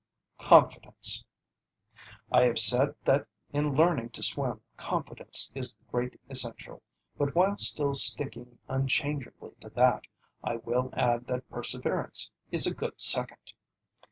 CONFIDENCE I have said that in learning to swim confidence is the great essential, but while still sticking unchangeably to that, I will add that perseverance is a good second.